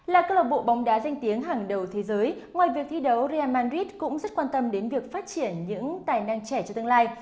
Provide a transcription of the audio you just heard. là câu lạc bộ bóng đá danh tiếng hàng đầu thế giới ngoài việc thi đấu real madrid cũng rất quan tâm đến việc phát triển những tài năng trẻ cho tương lai